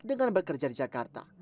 dengan bekerja di jakarta